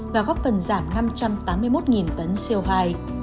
và góc phần giảm năm trăm tám mươi một tấn siêu hài